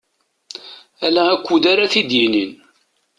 Ala akud ara t-id-yinin.